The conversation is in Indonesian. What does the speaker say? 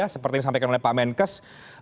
seperti yang disampaikan oleh pak menkes